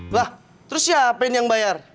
wah terus siapa yang bayar